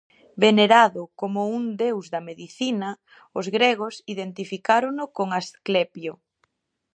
Venerado como un deus da medicina, os gregos identificárono con Asclepio.